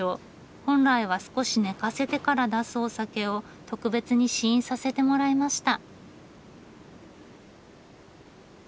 本来は少し寝かせてから出すお酒を特別に試飲させてもらいました。